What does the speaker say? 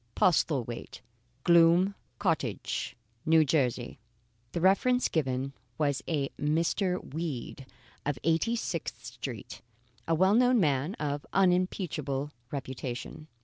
Postlethwaite, Gloom Cottage, , N. J. The reference given was a Mr. Weed of Eighty sixth Street a well known man of unimpeachable reputation.